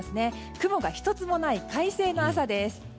雲が１つもない快晴の朝です。